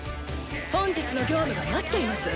本日の業務が待っています。